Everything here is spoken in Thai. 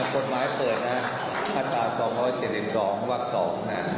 กฎหมายเปิดนะฮะภาษา๒๐๗๒วัก๒นะฮะ